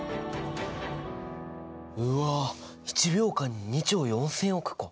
うわっ１秒間に２兆４千億個？